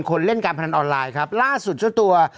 คนเล่นการพนันออนไลน์ครับล่าสุดเจ้าตัว